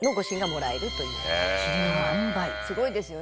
「すごいですよね